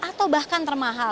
atau bahkan termahal